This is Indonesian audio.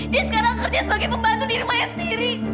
dia sekarang kerja sebagai pembantu di rumahnya sendiri